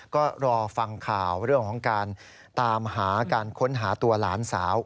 ก็รอฟังข่าวเรื่องของการตามหาการค้นหาตัวหลานสาว